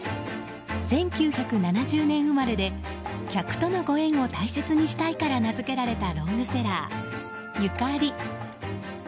１９７０年生まれで客とのご縁を大切にしたいから名づけられたロングセラー、ゆかり。